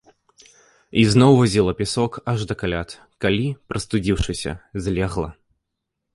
І зноў вазіла пясок аж да каляд, калі, прастудзіўшыся, злегла.